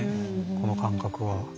この感覚は。